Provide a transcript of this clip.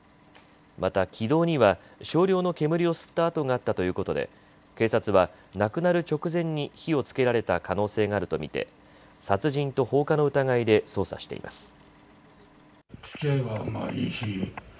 また気道には少量の煙を吸った痕があったということで警察は亡くなる直前に火をつけられた可能性があると見て殺人と放火の疑いで捜査しています。